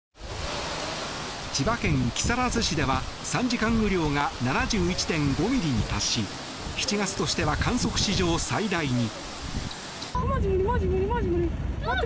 千葉県木更津市では３時間雨量が７１．５ミリに達し７月としては観測史上最大に。